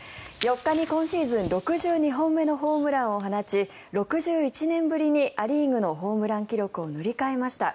４日に今シーズン６２本目のホームランを放ち６１年ぶりにア・リーグのホームラン記録を塗り替えました。